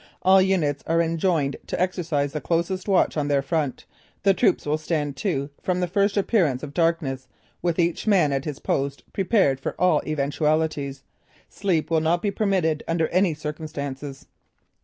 All units are enjoined to exercise the closest watch on their front; the troops will stand to from the first appearance of darkness, with each man at his post prepared for all eventualities. Sleep will not be permitted under any circumstances."